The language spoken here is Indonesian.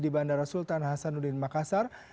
di bandara sultan hasanuddin makassar